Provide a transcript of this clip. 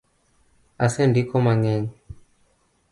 Asendiko mangeny